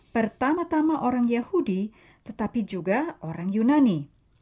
pertama tama orang yahudi tetapi juga orang yunani